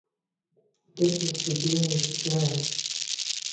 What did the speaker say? This is Fubini's theorem.